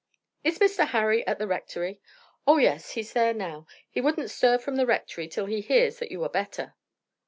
"Is Mr. Harry at the rectory?" "Oh yes; he's there now. He wouldn't stir from the rectory till he hears that you are better."